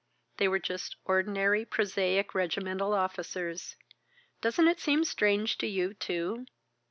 They were just ordinary prosaic regimental officers. Doesn't it seem strange to you, too?